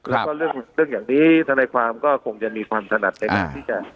แล้วก็เรื่องอย่างนี้ธนายความก็คงจะมีความถนัดในการที่จะ